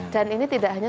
dan ini tidak hanya